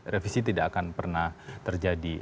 revisi tidak akan pernah terjadi